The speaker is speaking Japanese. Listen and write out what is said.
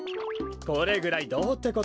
これぐらいどうってことない。